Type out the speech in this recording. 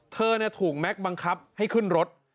เธอถูกแม็กซ์บังคับให้ขึ้นรถ